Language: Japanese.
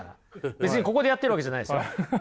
別にここでやっているわけじゃないですから。